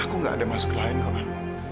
aku gak ada masalah lain umar